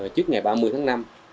trước ngày ba mươi tháng năm